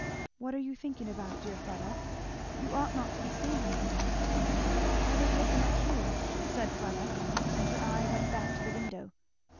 "What are you thinking about, dear Fleda? you ought not to be standing here." "I was looking at Hugh," said Fleda, and her eye went back to the window.